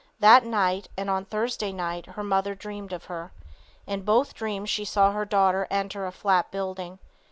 That night and on Thursday night her mother dreamed of her. In both dreams she saw her daughter enter a flat building.